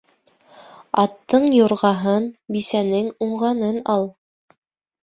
Аттың юрғаһын, бисәнең уңғанын ал.